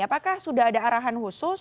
apakah sudah ada arahan khusus